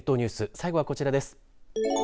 最後はこちらです。